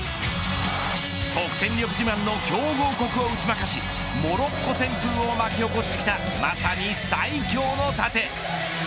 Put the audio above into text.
得点力自慢の強豪国を打ち負かしモロッコ旋風を巻き起こしてきたまさに、最強の盾。